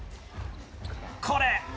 これ。